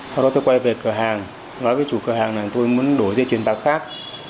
sau đó tôi quay về cửa hàng nói với chủ cửa hàng là tôi muốn đổi dây truyền bạc khác